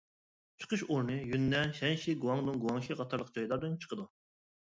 چىقىش ئورنى يۈننەن، شەنشى، گۇاڭدۇڭ، گۇاڭشى قاتارلىق جايلاردىن چىقىدۇ.